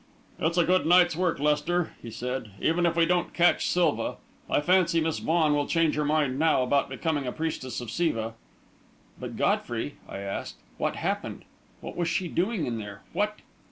"It's a good night's work, Lester," he said, "even if we don't catch Silva. I fancy Miss Vaughan will change her mind, now, about becoming a priestess of Siva!" "But, Godfrey," I asked, "what happened? What was she doing in there? What